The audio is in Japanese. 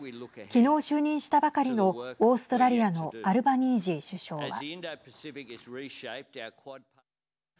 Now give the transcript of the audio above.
きのう就任したばかりのオーストラリアのアルバニージー首相は。